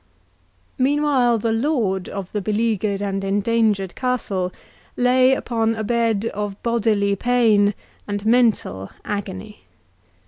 Meanwhile, the lord of the beleaguered and endangered castle lay upon a bed of bodily pain and mental agony.